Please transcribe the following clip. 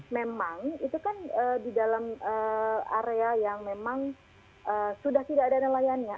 memang itu kan di dalam area yang memang sudah tidak ada nelayannya